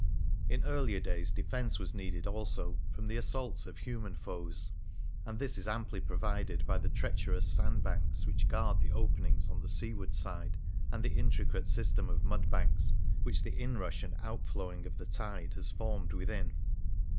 In earlier days defence was needed also from the assaults of human foes ; and this is amply provided by the treacherous sandbanks which guard the openings on the seaward side and the intricate system of mudbanks which the inrush and outflowing of the tide has formed within.